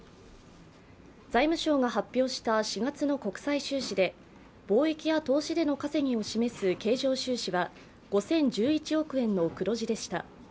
財務省が発表した４月の国際収支で貿易や投資での稼ぎを示す経常収支は５０１１億円の黒字でした。